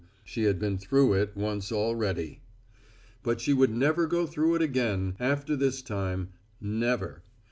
She had been through it once already. But she would never go through it again, after this time. Never.